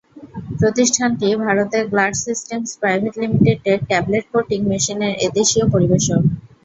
প্রতিষ্ঠানটি ভারতের Glatt Systems Private লিমিটেডের ট্যাবলেট কোটিং মেশিনের এদেশীয় পরিবেশক।